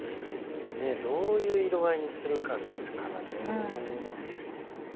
ねどういう色合いにするかですからね。